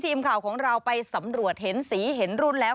ทีมข่าวของเราไปสำรวจเห็นสีเห็นรุ่นแล้ว